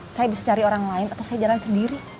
saya bisa cari orang lain atau saya jalan sendiri